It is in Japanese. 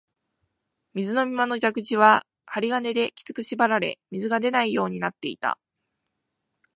水飲み場の蛇口は針金できつく縛られ、水が出ないようになっていた